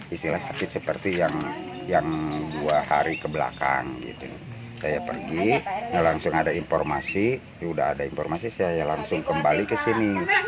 istilah sakit seperti yang dua hari kebelakang gitu saya pergi langsung ada informasi sudah ada informasi saya langsung kembali ke sini